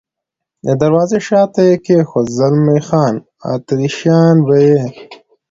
د دروازې شاته یې کېښود، زلمی خان: اتریشیان به یې.